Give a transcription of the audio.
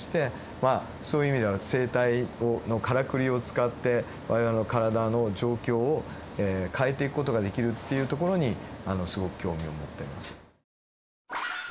まあそういう意味では生態のからくりを使って我々の体の状況を変えていく事ができるっていうところにすごく興味を持ってます。